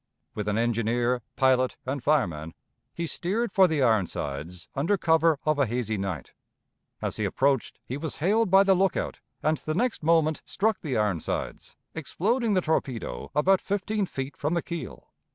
With an engineer, pilot, and fireman, he steered for the Ironsides under cover of a hazy night. As he approached, he was hailed by the lookout, and the next moment struck the Ironsides, exploding the torpedo about fifteen feet from the keel.